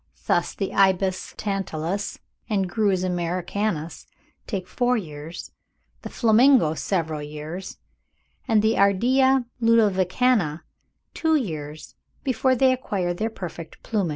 Thus the Ibis tantalus and Grus americanus take four years, the Flamingo several years, and the Ardea ludovicana two years, before they acquire their perfect plumage.